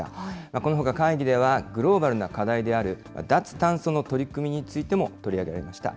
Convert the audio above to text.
このほか会議では、グローバルな課題である脱炭素の取り組みについても取り上げられました。